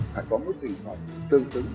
phải có một tình hình tương xứng